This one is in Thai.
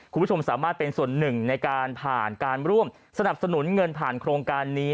คุณผู้ชมสามารถเป็นส่วนหนึ่งในการผ่านการร่วมสนับสนุนเงินผ่านโครงการนี้